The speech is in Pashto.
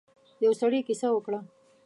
يو سړی کيسه وکړه.